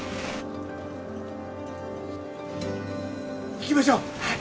行きましょうはい